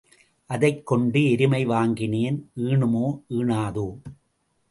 அதைக் கொண்டு எருமை வாங்கினேன் ஈனுமோ, ஈனாதோ?